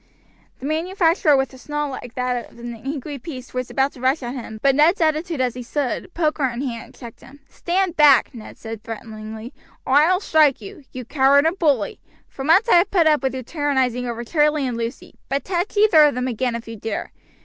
The manufacturer with a snarl like that of an angry wild beast was about to rush at him, but Ned's attitude as he stood, poker in hand, checked him. "Stand back," Ned said threateningly, "or I will strike you. You coward and bully; for months I have put up with your tyrannizing over Charlie and Lucy, but touch either of them again if you dare.